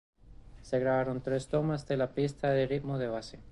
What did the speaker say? Se grabaron tres tomas de la pista de ritmo de base.